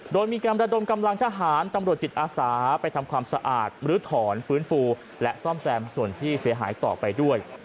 โดยมีการระดมกำลังทหารตำรวจจิตอาสาไปทำความสะอาดมรื้อถอนฟื้นฟูและซ่อมแซมส่วนที่เสียหายต่อไปด้วย